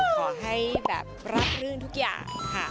ขอให้แบบรับรื่นทุกอย่างค่ะ